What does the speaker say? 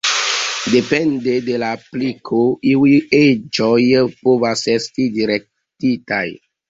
Depende de la apliko, iuj eĝoj povas esti direktitaj.